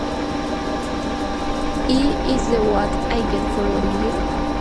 E, "Is This What I Get For Loving You?